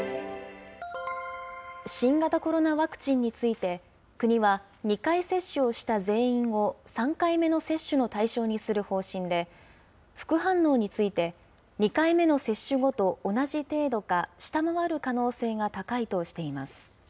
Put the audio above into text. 新型コロナワクチンについて、国は２回接種をした全員を、３回目の接種の対象にする方針で、副反応について、２回目の接種後と同じ程度か、下回る可能性が高いとしています。